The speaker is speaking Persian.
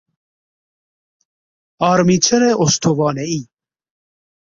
آرمیچر استوانهای